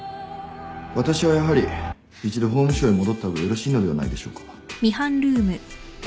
私はやはり一度法務省へ戻った方がよろしいのではないでしょうか。